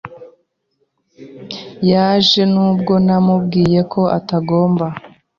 Yaje nubwo namubwiye ko atagomba